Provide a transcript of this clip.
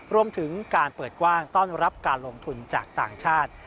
รวมถึงการเปิดกว้างต้อนรับการลงทุนจากต่างชาติ